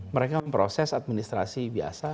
mereka memproses administrasi biasa